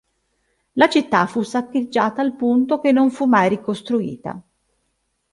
La città fu saccheggiata al punto che non fu mai ricostruita.